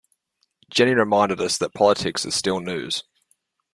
Jenny reminded us that politics is still news.